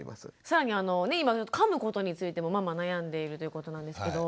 更に今かむことについてもママ悩んでいるということなんですけど。